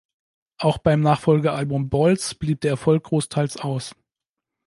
Auch beim Nachfolgealbum "Balls" blieb der Erfolg großteils aus.